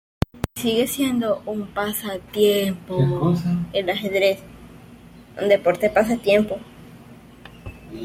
Hasta hoy sigue siendo un deporte pasatiempo.